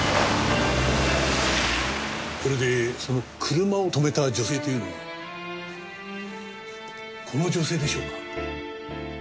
それでその車を止めた女性というのはこの女性でしょうか？